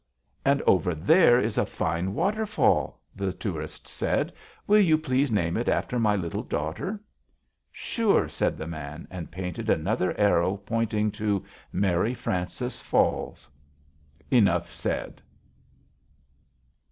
"And over there is a fine waterfall," the tourist said. "Will you please name it after my little daughter?" "Sure!" said the man; and painted another arrow pointing to "Mary Frances Falls." Enough said!